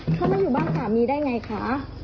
เขามาอยู่บ้านสามีได้ไงคะ